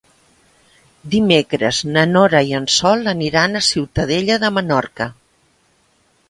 Dimecres na Nora i en Sol aniran a Ciutadella de Menorca.